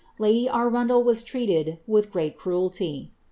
Lfsdy Arundel was treated with grreat cruelty.